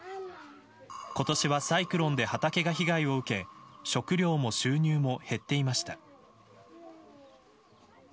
今年はサイクロンで畑が被害を受け食料も収入も減っていました。